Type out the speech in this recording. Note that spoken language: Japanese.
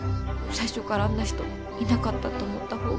最初からあんな人いなかったと思った方が。